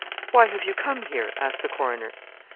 'Why have you come here?' asked the coroner.